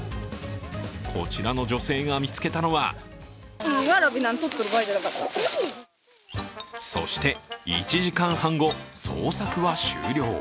こちらの女性が見つけたのはそして、１時間半後、捜索は終了。